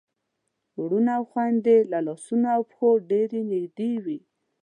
وروڼه او خويندې له لاسونو او پښو ډېر نږدې وي.